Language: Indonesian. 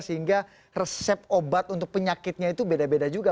sehingga resep obat untuk penyakitnya itu beda beda juga